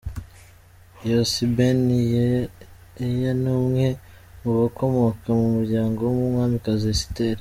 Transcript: Yossi Ben Yair ni umwe mu bakomoka mu muryango w’Umwamikazi Esiteri.